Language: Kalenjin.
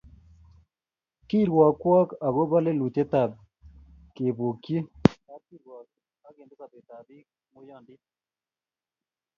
Kirwokwok agobo lelutietab kebokchi kapkirwok ak kende sobetab bik ngoiyondit